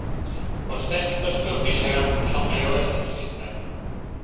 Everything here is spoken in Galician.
Os técnicos que o fixeron son heroes do sistema.